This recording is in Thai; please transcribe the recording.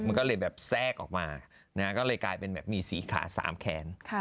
มันก็เลยแบบแทรกออกมาก็เลยกลายเป็นแบบมีสีขา๓แขน